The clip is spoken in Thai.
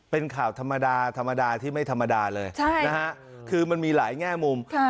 เป็นข่าวธรรมดาธรรมดาที่ไม่ธรรมดาเลยนะฮะคือมันมีหลายแง่มุม